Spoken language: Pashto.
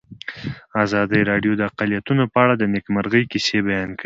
ازادي راډیو د اقلیتونه په اړه د نېکمرغۍ کیسې بیان کړې.